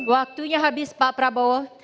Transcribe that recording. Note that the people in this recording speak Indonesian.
waktunya habis pak prabowo